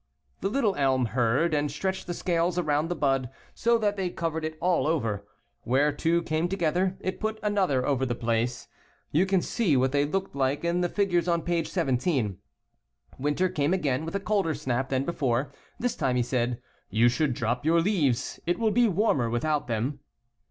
The little elm heard, and stretched the scales around the bud so that they covered it all over. Where two came together, it put another over the place. You can see what they looked like in the figures on page 17. Winter came again, with a colder snap than be fore. This time he said, "You should drop your leaves, it will be warmer without them."